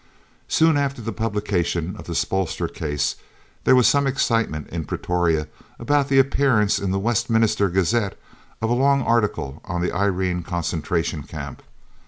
Soon after the publication of the Spoelstra case there was some excitement in Pretoria about the appearance in the Westminster Gazette of a long article on the Irene Concentration Camp.